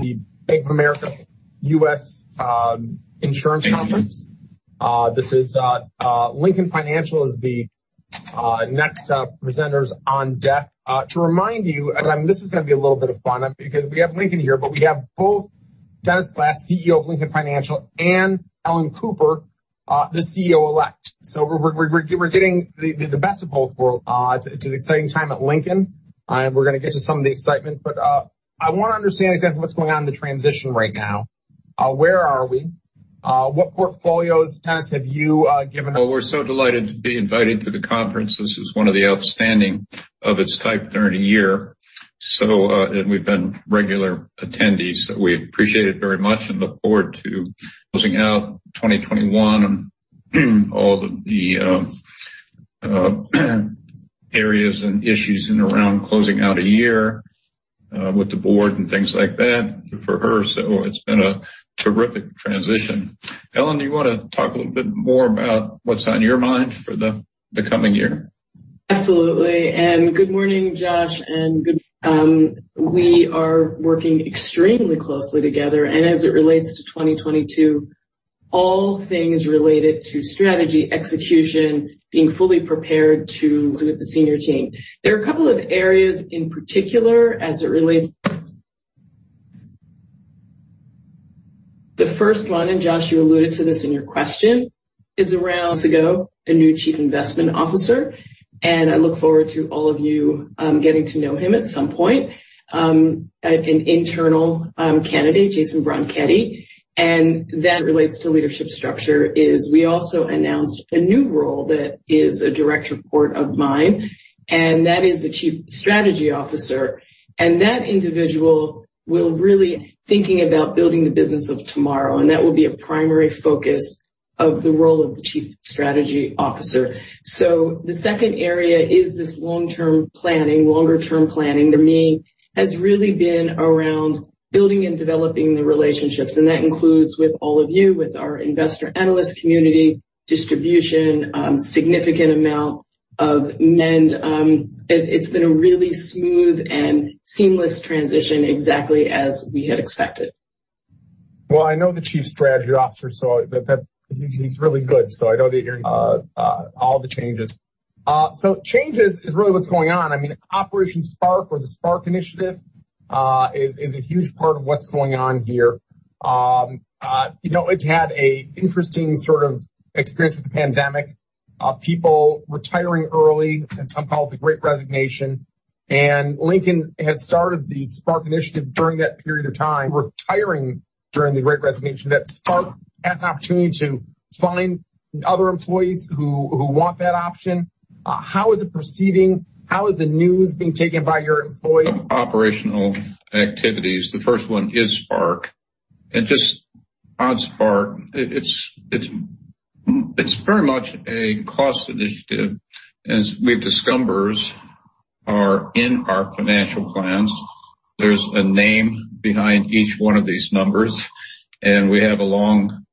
The Bank of America US Insurance conference. Lincoln Financial is the next presenters on deck. To remind you, this is going to be a little bit of fun because we have Lincoln here, but we have both Dennis Glass, CEO of Lincoln Financial, and Ellen Cooper, the CEO-elect. We're getting the best of both worlds. It's an exciting time at Lincoln. We're going to get to some of the excitement. I want to understand exactly what's going on in the transition right now. Where are we? What portfolios, Dennis, have you given- Well, we're so delighted to be invited to the conference. This is one of the outstanding of its type during a year. We've been regular attendees, we appreciate it very much and look forward to closing out 2021, all the areas and issues in around closing out a year with the board and things like that for her. It's been a terrific transition. Ellen, do you want to talk a little bit more about what's on your mind for the coming year? Absolutely. Good morning, Josh. We are working extremely closely together, as it relates to 2022, all things related to strategy, execution, being fully prepared to sit with the senior team. There are a couple of areas in particular. The first one, Josh, you alluded to this in your question, is around a new Chief Investment Officer, and I look forward to all of you getting to know him at some point, an internal candidate, Jayson Bronchetti. That relates to leadership structure is we also announced a new role that is a direct report of mine, and that is the Chief Strategy Officer. That individual will really be thinking about building the business of tomorrow, and that will be a primary focus of the role of the Chief Strategy Officer. The second area is this long-term planning, longer term planning, to me, has really been around building and developing the relationships, and that includes with all of you, with our investor analyst community, distribution, significant amount of mend. It's been a really smooth and seamless transition, exactly as we had expected. Well, I know the Chief Strategy Officer, he's really good. I know that you're all the changes. Changes is really what's going on. Operation Spark or the Spark Initiative is a huge part of what's going on here. It's had an interesting sort of experience with the pandemic, people retiring early, and some call it the Great Resignation. Lincoln has started the Spark Initiative during that period of time, retiring during the Great Resignation. That Spark as an opportunity to find other employees who want that option. How is it proceeding? How is the news being taken by your employee? Operational activities. The first one is Spark. Just on Spark, it's very much a cost initiative, as we've discovered are in our financial plans. There's a name behind each one of these numbers, and we have a long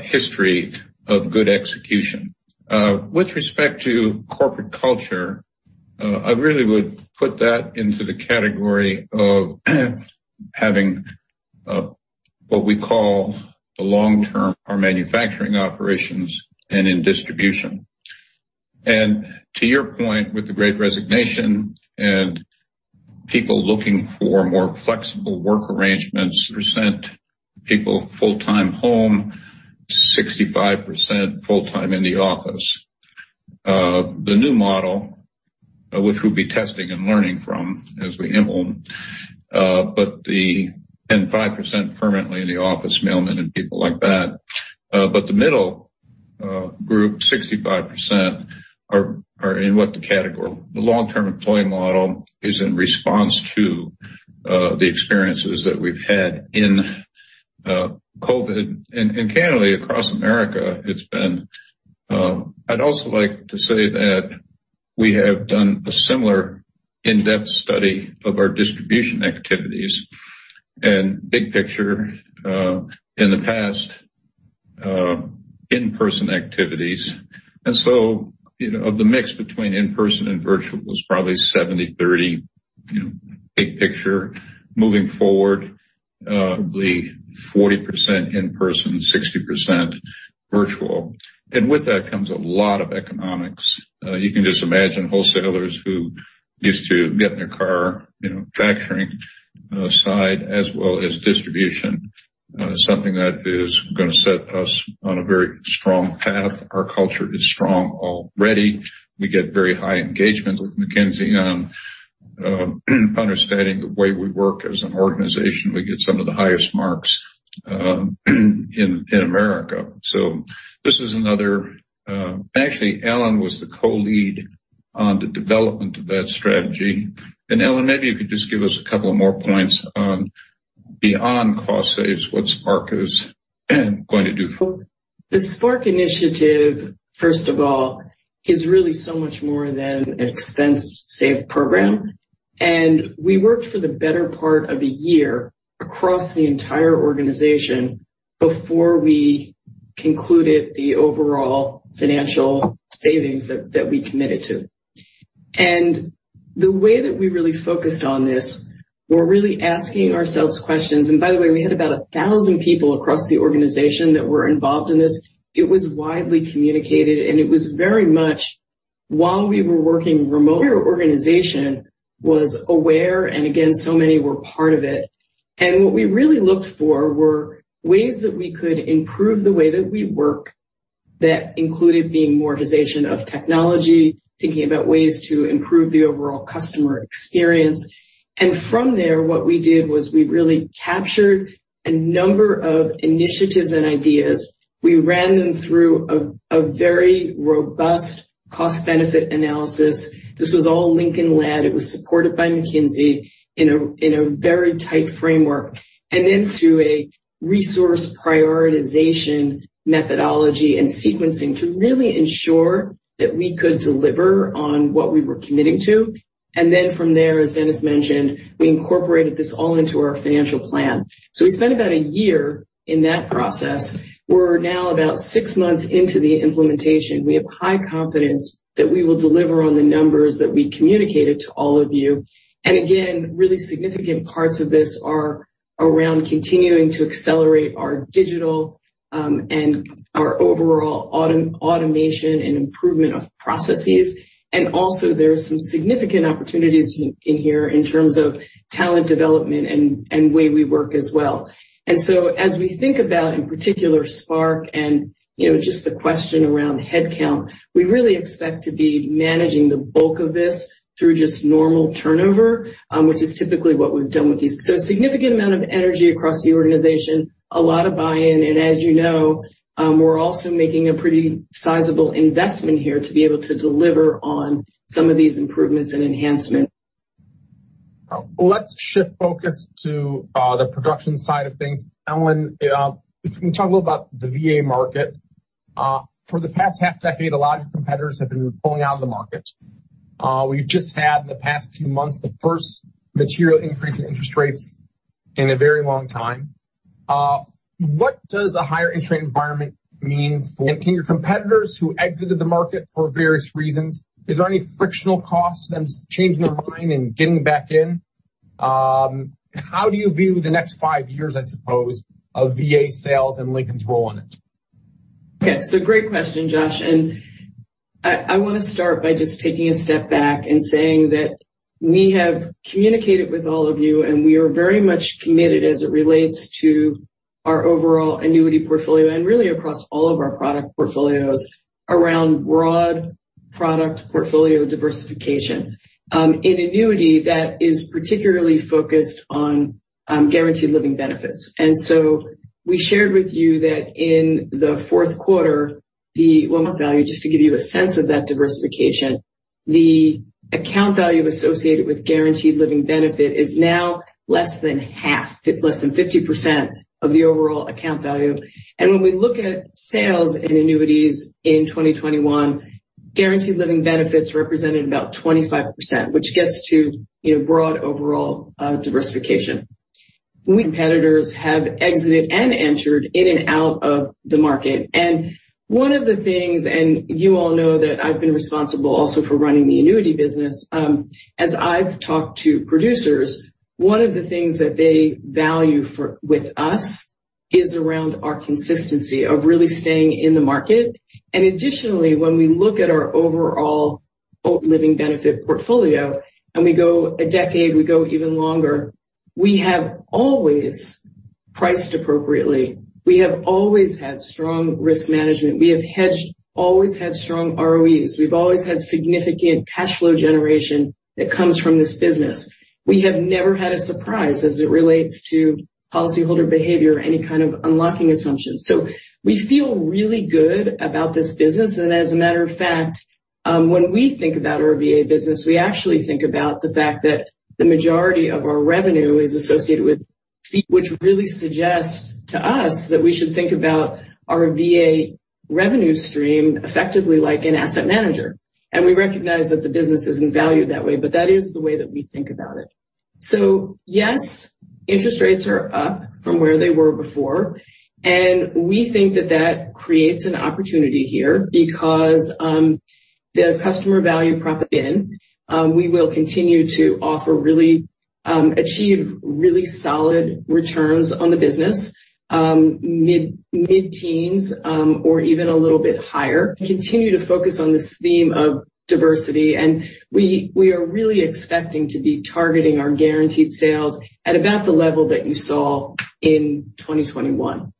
history of good execution. With respect to corporate culture, I really would put that into the category of having what we call the long-term, our manufacturing operations and in distribution. To your point with the Great Resignation and people looking for more flexible work arrangements, percent people full-time home, 65% full-time in the office. The new model, which we'll be testing and learning from as we implement, 5% permanently in the office, mailmen and people like that. The middle group, 65% are in what the category. The long-term employee model is in response to the experiences that we've had in COVID. Candidly, across America, I'd also like to say that we have done a similar in-depth study of our distribution activities and big picture, in the past in-person activities. Of the mix between in-person and virtual was probably 70/30, big picture. Moving forward, probably 40% in-person, 60% virtual. With that comes a lot of economics. You can just imagine wholesalers who used to get in a car, factoring side, as well as distribution, something that is going to set us on a very strong path. Our culture is strong already. We get very high engagement with McKinsey on understanding the way we work as an organization. We get some of the highest marks in America. Actually, Ellen was the co-lead on the development of that strategy. Ellen, maybe you could just give us a couple of more points on beyond cost saves, what Spark is going to do for- The Spark Initiative, first of all, is really so much more than an expense save program. We worked for the better part of a year across the entire organization before we concluded the overall financial savings that we committed to. The way that we really focused on this, we're really asking ourselves questions. By the way, we had about 1,000 people across the organization that were involved in this. It was widely communicated, and it was very much while we were working remote, our organization was aware, again, so many were part of it. What we really looked for were ways that we could improve the way that we work that included the modernization of technology, thinking about ways to improve the overall customer experience. From there, what we did was we really captured a number of initiatives and ideas. We ran them through a very robust cost-benefit analysis. This was all Lincoln-led. It was supported by McKinsey in a very tight framework, then through a resource prioritization methodology and sequencing to really ensure that we could deliver on what we were committing to. From there, as Dennis mentioned, we incorporated this all into our financial plan. We spent about a year in that process. We're now about six months into the implementation. We have high confidence that we will deliver on the numbers that we communicated to all of you. Again, really significant parts of this are around continuing to accelerate our digital, our overall automation and improvement of processes. Also there are some significant opportunities in here in terms of talent development and way we work as well. As we think about, in particular, Spark and just the question around headcount, we really expect to be managing the bulk of this through just normal turnover, which is typically what we've done with these. A significant amount of energy across the organization, a lot of buy-in, and as you know, we're also making a pretty sizable investment here to be able to deliver on some of these improvements and enhancements. Let's shift focus to the production side of things. Ellen, can you talk a little about the VA market? For the past half decade, a lot of competitors have been pulling out of the market. We've just had in the past few months the first material increase in interest rates in a very long time. What does a higher interest rate environment mean for your competitors who exited the market for various reasons? Is there any frictional cost to them changing their mind and getting back in? How do you view the next five years, I suppose, of VA sales and Lincoln's role in it? Great question, Josh. I want to start by just taking a step back and saying that we have communicated with all of you, and we are very much committed as it relates to our overall annuity portfolio and really across all of our product portfolios around broad product portfolio diversification. In annuity, that is particularly focused on guaranteed living benefits. We shared with you that in the fourth quarter, the one more value, just to give you a sense of that diversification, the account value associated with guaranteed living benefit is now less than half, less than 50% of the overall account value. When we look at sales in annuities in 2021, guaranteed living benefits represented about 25%, which gets to broad overall diversification. Competitors have exited and entered in and out of the market. One of the things, and you all know that I've been responsible also for running the annuity business. As I've talked to producers, one of the things that they value with us is around our consistency of really staying in the market. Additionally, when we look at our overall living benefit portfolio and we go a decade, we go even longer, we have always priced appropriately. We have always had strong risk management. We have always had strong ROEs. We've always had significant cash flow generation that comes from this business. We have never had a surprise as it relates to policyholder behavior or any kind of unlocking assumptions. We feel really good about this business. As a matter of fact, when we think about our VA business, we actually think about the fact that the majority of our revenue is associated with fee, which really suggests to us that we should think about our VA revenue stream effectively like an asset manager. We recognize that the business isn't valued that way, but that is the way that we think about it. Yes, interest rates are up from where they were before, and we think that that creates an opportunity here because the customer value props in. We will continue to achieve really solid returns on the business, mid-teens, or even a little bit higher. Continue to focus on this theme of diversity, and we are really expecting to be targeting our guaranteed sales at about the level that you saw in 2021.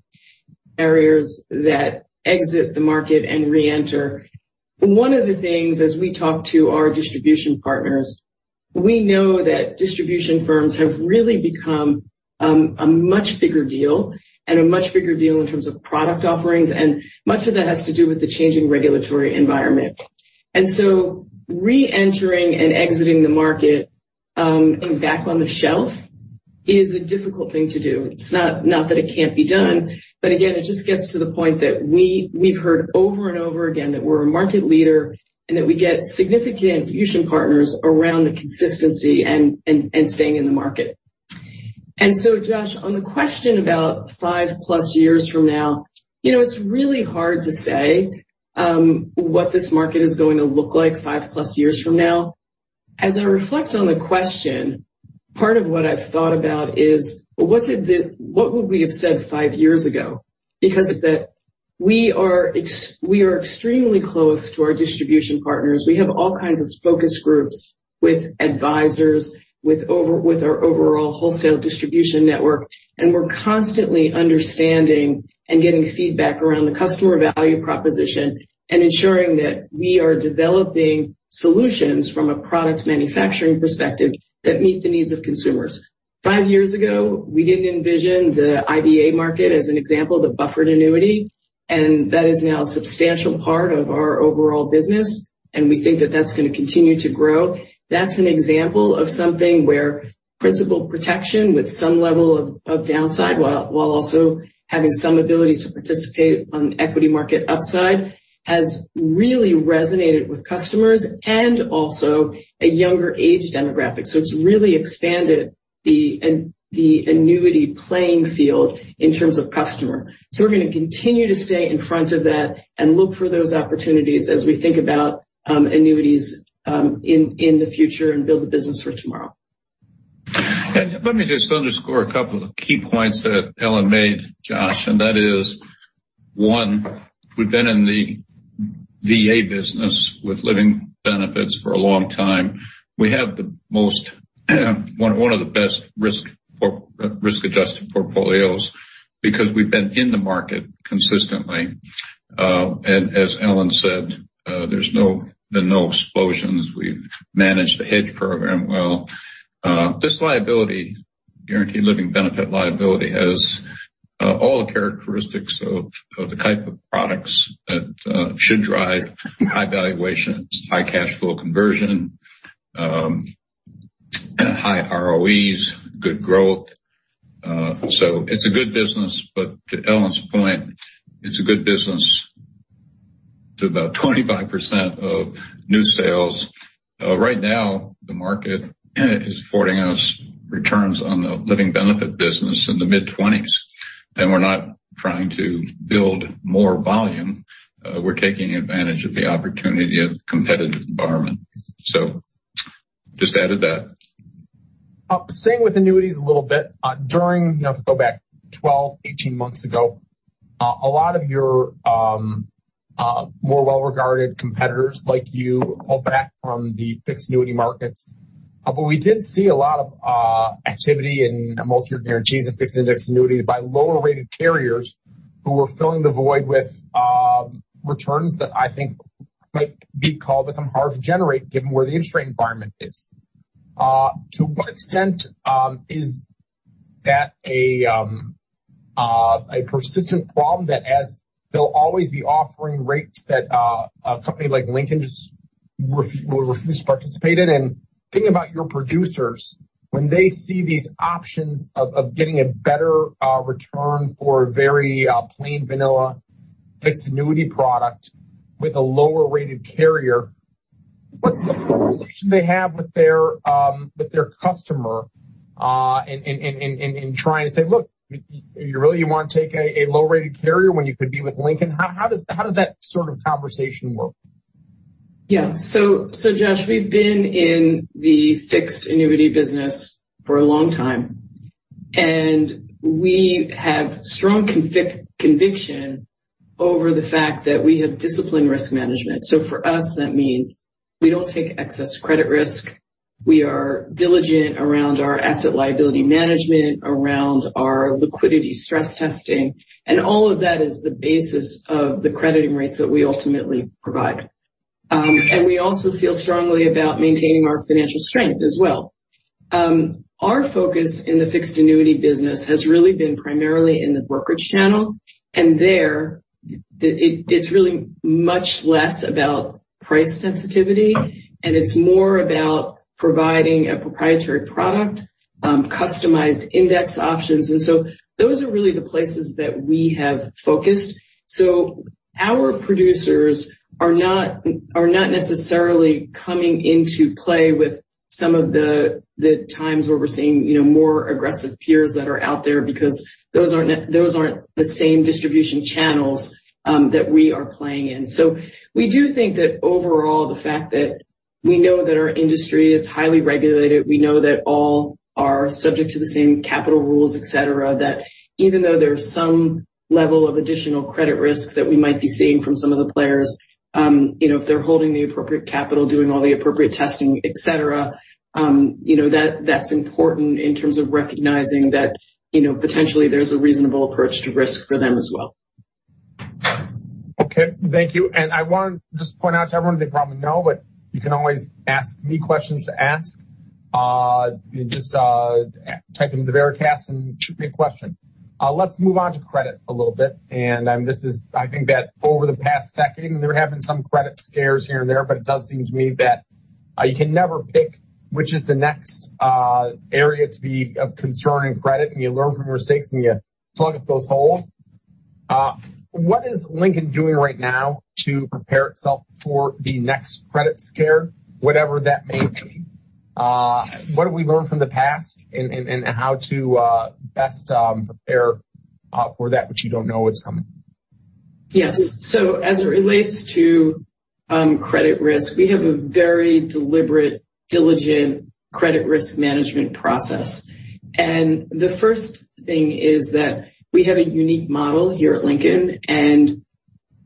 Carriers that exit the market and reenter. One of the things as we talk to our distribution partners, we know that distribution firms have really become a much bigger deal and a much bigger deal in terms of product offerings, and much of that has to do with the changing regulatory environment. Reentering and exiting the market and back on the shelf is a difficult thing to do. It's not that it can't be done, but again, it just gets to the point that we've heard over and over again that we're a market leader and that we get significant distribution partners around the consistency and staying in the market. Josh, on the question about 5-plus years from now, it's really hard to say what this market is going to look like 5-plus years from now. As I reflect on the question, part of what I've thought about is, well, what would we have said five years ago? We are extremely close to our distribution partners. We have all kinds of focus groups with advisors, with our overall wholesale distribution network, and we're constantly understanding and getting feedback around the customer value proposition and ensuring that we are developing solutions from a product manufacturing perspective that meet the needs of consumers. Five years ago, we didn't envision the IBA market, as an example, the buffered annuity, and that is now a substantial part of our overall business, and we think that that's going to continue to grow. That's an example of something where principal protection with some level of downside, while also having some ability to participate on equity market upside, has really resonated with customers and also a younger age demographic. It's really expanded the annuity playing field in terms of customer. We're going to continue to stay in front of that and look for those opportunities as we think about annuities in the future and build the business for tomorrow. Let me just underscore a couple of key points that Ellen made, Josh, and that is, one, we've been in the VA business with living benefits for a long time. We have one of the best risk-adjusted portfolios because we've been in the market consistently. As Ellen said, there's been no explosions. We've managed the hedge program well. This guarantee living benefit liability has all the characteristics of the type of products that should drive high valuations, high cash flow conversion, high ROEs, good growth. It's a good business, but to Ellen's point, it's a good business to about 25% of new sales. Right now, the market is affording us returns on the living benefit business in the mid-twenties, and we're not trying to build more volume. We're taking advantage of the opportunity of the competitive environment. Just added that. Staying with annuities a little bit. During, if we go back 12, 18 months ago, a lot of your more well-regarded competitors like you pulled back from the fixed annuity markets. We did see a lot of activity in multi-year guarantees and fixed indexed annuities by lower-rated carriers who were filling the void with returns that I think might be called by some hard to generate given where the interest rate environment is. To what extent is that a persistent problem that as they'll always be offering rates that a company like Lincoln just will refuse to participate in? Thinking about your producers, when they see these options of getting a better return for a very plain vanilla fixed annuity product with a lower-rated carrier, what's the conversation they have with their customer in trying to say, "Look, you really want to take a low-rated carrier when you could be with Lincoln?" How does that sort of conversation work? Yeah. Josh, we've been in the fixed annuity business for a long time, and we have strong conviction over the fact that we have disciplined risk management. For us, that means we don't take excess credit risk. We are diligent around our asset liability management, around our liquidity stress testing, and all of that is the basis of the crediting rates that we ultimately provide. We also feel strongly about maintaining our financial strength as well. Our focus in the fixed annuity business has really been primarily in the brokerage channel, and there it's really much less about price sensitivity, and it's more about providing a proprietary product, customized index options, those are really the places that we have focused. Our producers are not necessarily coming into play with some of the times where we're seeing more aggressive peers that are out there because those aren't the same distribution channels that we are playing in. We do think that overall, the fact that we know that our industry is highly regulated, we know that all are subject to the same capital rules, etc, that even though there's some level of additional credit risk that we might be seeing from some of the players, if they're holding the appropriate capital, doing all the appropriate testing, et cetera, that's important in terms of recognizing that potentially there's a reasonable approach to risk for them as well. Okay. Thank you. I want to just point out to everyone, they probably know, but you can always ask me questions to ask. You just type into the Veracast and shoot me a question. Let's move on to credit a little bit. I think that over the past decade, we're having some credit scares here and there, but it does seem to me that you can never pick which is the next area to be of concern in credit, and you learn from your mistakes, and you plug up those holes. What is Lincoln doing right now to prepare itself for the next credit scare, whatever that may be? What have we learned from the past and how to best prepare for that which you don't know what's coming? Yes. As it relates to credit risk, we have a very deliberate, diligent credit risk management process. The first thing is that we have a unique model here at Lincoln, and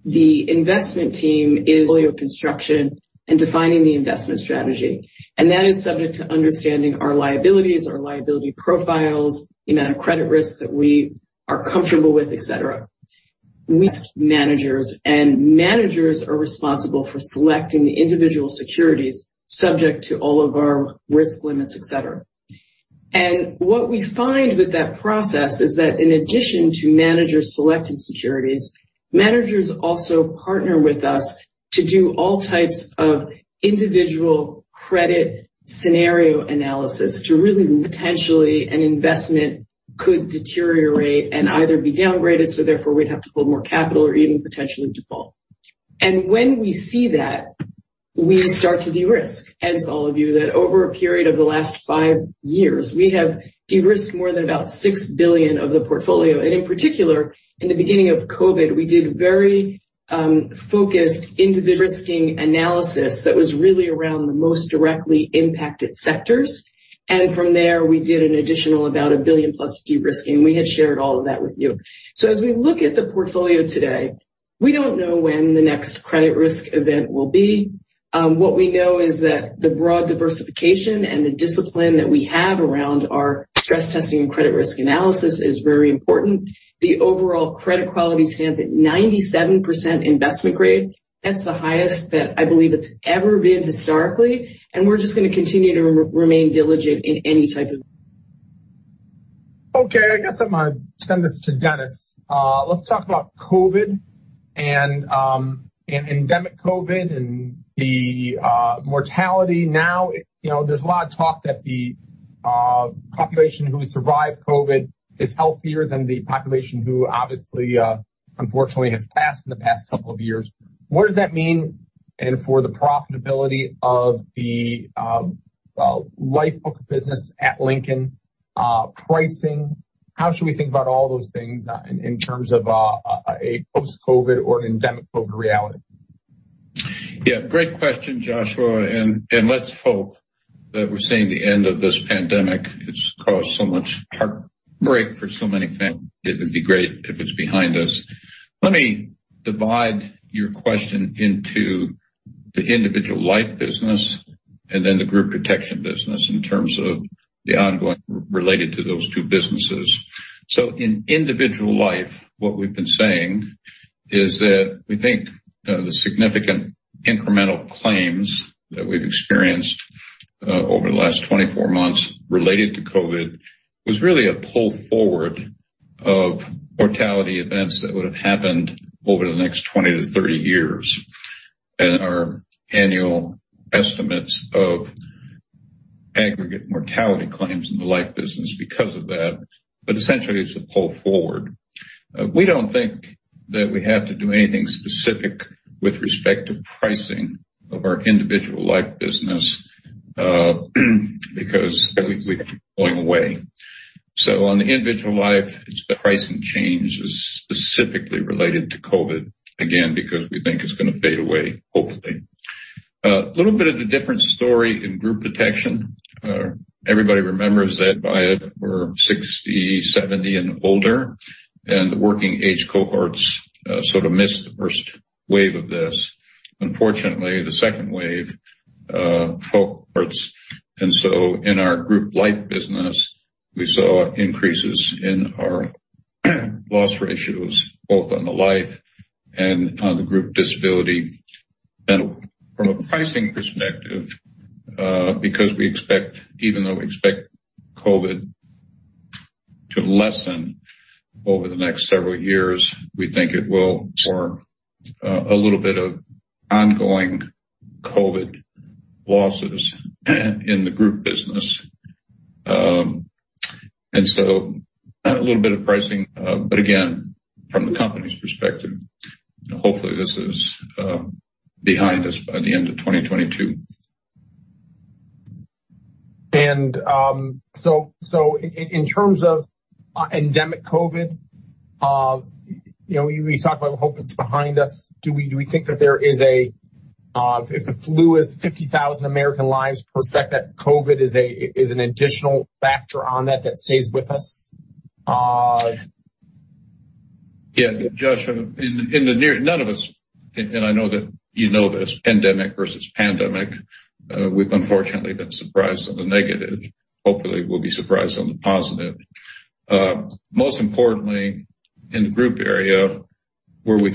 the investment team is construction and defining the investment strategy. That is subject to understanding our liabilities, our liability profiles, the amount of credit risk that we are comfortable with, etc. Risk managers and managers are responsible for selecting the individual securities subject to all of our risk limits, et cetera. What we find with that process is that in addition to manager-selected securities, managers also partner with us to do all types of individual credit scenario analysis to really look at potentially an investment could deteriorate and either be downgraded, so therefore we'd have to pull more capital or even potentially default. When we see that, we start to de-risk. As all of you that over a period of the last five years, we have de-risked more than about $6 billion of the portfolio. In particular, in the beginning of COVID, we did very focused individual de-risking analysis that was really around the most directly impacted sectors. From there, we did an additional about $1 billion-plus de-risking. We had shared all of that with you. As we look at the portfolio today, we don't know when the next credit risk event will be. What we know is that the broad diversification and the discipline that we have around our stress testing and credit risk analysis is very important. The overall credit quality stands at 97% investment grade. That's the highest that I believe it's ever been historically, we're just going to continue to remain diligent in any type of- Okay. I guess I'm going to send this to Dennis. Let's talk about COVID and endemic COVID and the mortality. Now there's a lot of talk that the population who survived COVID is healthier than the population who obviously, unfortunately, has passed in the past couple of years. What does that mean and for the profitability of the life book business at Lincoln, pricing, how should we think about all those things in terms of a post-COVID or an endemic COVID reality? Great question, Joshua, let's hope that we're seeing the end of this pandemic. It's caused so much heartbreak for so many families. It would be great if it's behind us. Let me divide your question into the individual life business and then the Group Protection business in terms of the ongoing related to those two businesses. In individual life, what we've been saying is that we think the significant incremental claims that we've experienced over the last 24 months related to COVID was really a pull forward of mortality events that would have happened over the next 20-30 years our annual estimates of aggregate mortality claims in the life business because of that, but essentially it's a pull forward. We don't think that we have to do anything specific with respect to pricing of our individual life business because we think it's going away. On the individual life, it's the pricing changes specifically related to COVID, again, because we think it's going to fade away, hopefully. A little bit of a different story in Group Protection. Everybody remembers that by we're 60, 70 and older, and the working age cohorts sort of missed the first wave of this. Unfortunately, the second wave cohorts. In our group life business, we saw increases in our loss ratios, both on the life and on the group disability. From a pricing perspective, because we expect, even though we expect COVID to lessen over the next several years, we think it will form a little bit of ongoing COVID losses in the group business. A little bit of pricing, but again, from the company's perspective, hopefully this is behind us by the end of 2022. In terms of endemic COVID, we talk about hope it's behind us. Do we think that there is a, if the flu is 50,000 American lives perspective, COVID is an additional factor on that that stays with us? Yeah. Joshua, none of us, and I know that you know this, endemic versus pandemic, we've unfortunately been surprised on the negative. Hopefully, we'll be surprised on the positive. Most importantly, in the group area where we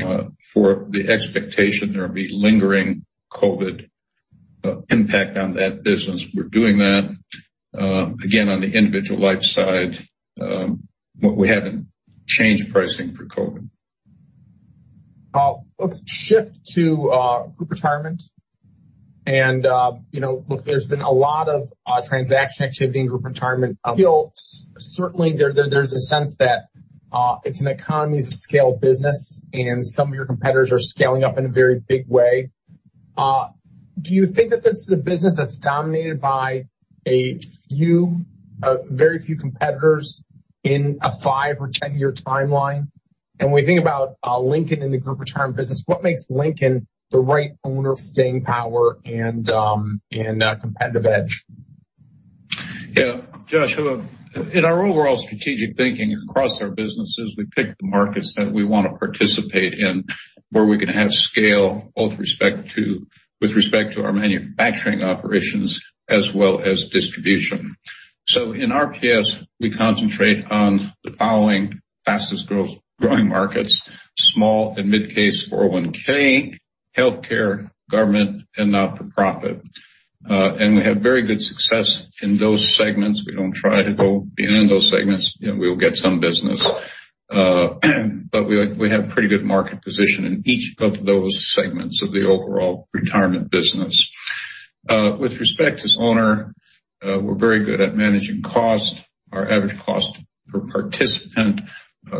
for the expectation there will be lingering COVID impact on that business, we're doing that. Again, on the individual life side, we haven't changed pricing for COVID. Let's shift to Group Retirement. Look, there's been a lot of transaction activity in Group Retirement. Certainly, there's a sense that it's an economies of scale business, and some of your competitors are scaling up in a very big way. Do you think that this is a business that's dominated by very few competitors in a five or 10-year timeline? When we think about Lincoln in the Group Retirement business, what makes Lincoln the right owner, staying power, and competitive edge? Yeah. Josh, in our overall strategic thinking across our businesses, we pick the markets that we want to participate in, where we can have scale both with respect to our manufacturing operations as well as distribution. In our case, we concentrate on the following fastest-growing markets: small and mid-case 401(k), healthcare, government, and not-for-profit. We have very good success in those segments. We don't try to go be in those segments. We'll get some business, but we have pretty good market position in each of those segments of the overall retirement business. With respect to its owner, we're very good at managing cost. Our average cost per participant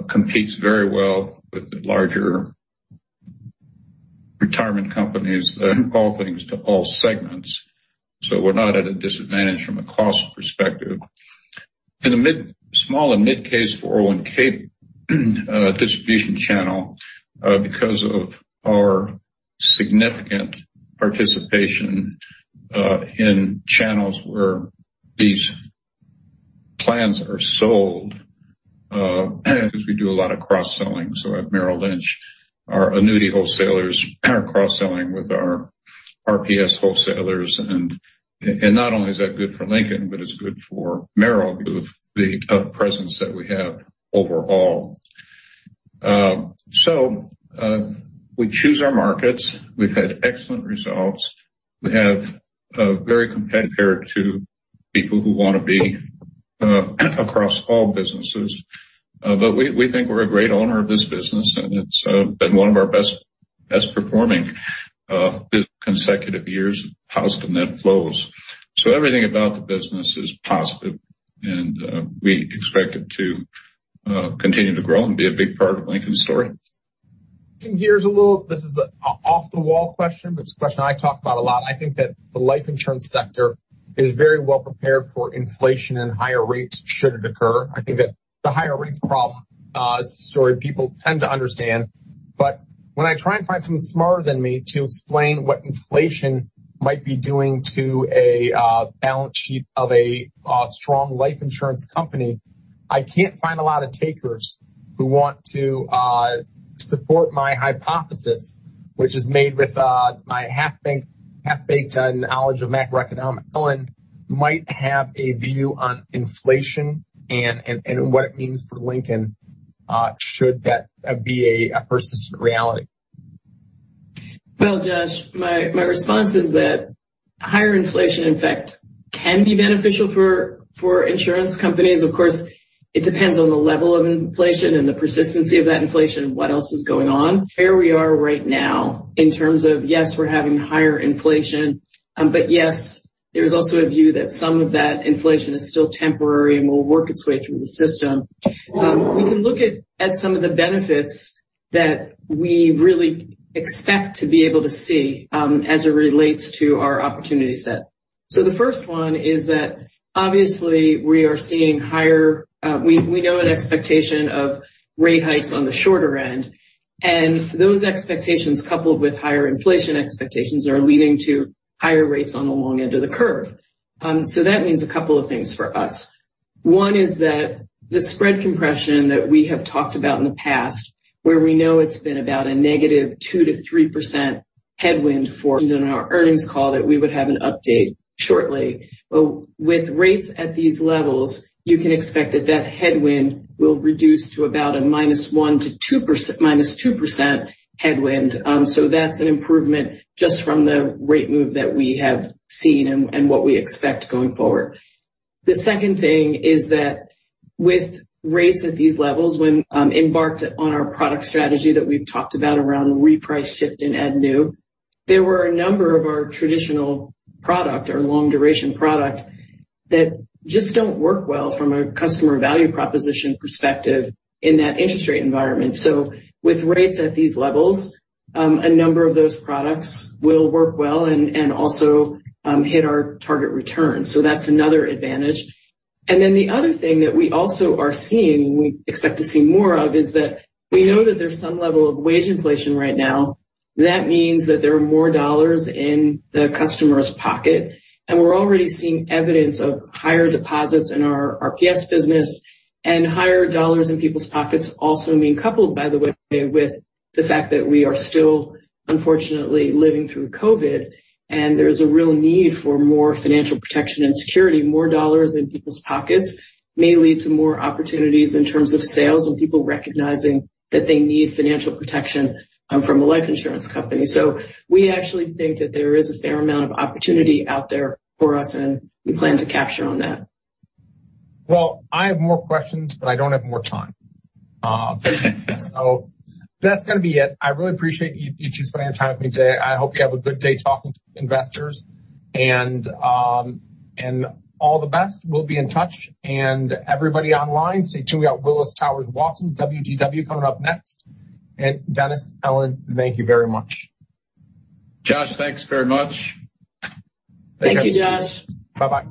competes very well with the larger retirement companies that are all things to all segments. We're not at a disadvantage from a cost perspective. In the small and mid-case 401(k) distribution channel, because of our significant participation in channels where these plans are sold, because we do a lot of cross-selling. At Merrill Lynch, our annuity wholesalers are cross-selling with our RPS wholesalers. Not only is that good for Lincoln, but it's good for Merrill, the presence that we have overall. We choose our markets. We've had excellent results. We have a very competitive compared to people who want to be across all businesses. We think we're a great owner of this business, and it's been one of our best performing consecutive years positive net flows. Everything about the business is positive, and we expect it to continue to grow and be a big part of Lincoln's story. Here's a little, this is an off-the-wall question, it's a question I talk about a lot. I think that the life insurance sector is very well prepared for inflation and higher rates, should it occur. I think that the higher rates problem sort of people tend to understand, when I try and find someone smarter than me to explain what inflation might be doing to a balance sheet of a strong life insurance company, I can't find a lot of takers who want to support my hypothesis, which is made with my half-baked knowledge of macroeconomics. Ellen might have a view on inflation and what it means for Lincoln should that be a persistent reality. Well, Josh, my response is that higher inflation, in fact, can be beneficial for insurance companies. Of course, it depends on the level of inflation and the persistency of that inflation and what else is going on. Here we are right now in terms of, yes, we're having higher inflation, yes, there's also a view that some of that inflation is still temporary and will work its way through the system. We can look at some of the benefits that we really expect to be able to see as it relates to our opportunity set. The first one is that obviously We know an expectation of rate hikes on the shorter end, and those expectations, coupled with higher inflation expectations, are leading to higher rates on the long end of the curve. That means a couple of things for us. One is that the spread compression that we have talked about in the past, where we know it's been about a -2% to -3% headwind for our earnings call, that we would have an update shortly. With rates at these levels, you can expect that that headwind will reduce to about a -1% to -2% headwind. That's an improvement just from the rate move that we have seen and what we expect going forward. The second thing is that with rates at these levels, when embarked on our product strategy that we've talked about around Reprice, Shift, and Add New, there were a number of our traditional product or long-duration product that just don't work well from a customer value proposition perspective in that interest rate environment. With rates at these levels, a number of those products will work well and also hit our target return. That's another advantage. The other thing that we also are seeing, we expect to see more of, is that we know that there's some level of wage inflation right now. That means that there are more dollars in the customer's pocket, and we're already seeing evidence of higher deposits in our RPS business. Higher dollars in people's pockets also mean coupled, by the way, with the fact that we are still, unfortunately, living through COVID, and there's a real need for more financial protection and security. More dollars in people's pockets may lead to more opportunities in terms of sales and people recognizing that they need financial protection from a life insurance company. We actually think that there is a fair amount of opportunity out there for us, and we plan to capture on that. Well, I have more questions, but I don't have more time. That's going to be it. I really appreciate you two spending time with me today. I hope you have a good day talking to investors, and all the best. We'll be in touch. Everybody online, stay tuned. We got Willis Towers Watson, WTW, coming up next. Dennis, Ellen, thank you very much. Josh, thanks very much. Thank you, Josh. Bye-bye.